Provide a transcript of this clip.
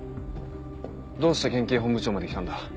どうして県警本部長まで来たんだ？